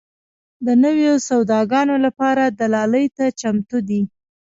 د نویو سوداګانو لپاره دلالۍ ته چمتو دي.